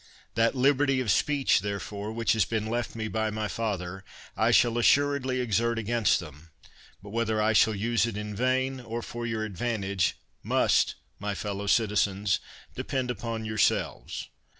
That liberty of speech, therefore, which has been left me by my father, I shall assuredly exert against them ; but whether I shall use it in vain, or for your advantage, must, my fellow citizens, depend upon yourselves.